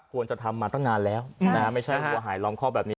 ควรจะทำมาตั้งนานแล้วไม่ใช่หัวหายล้อมคอกแบบนี้